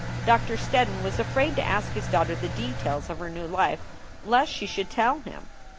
Doctor Steddon was afraid to ask his daughter the details of her new life, lest she should tell him.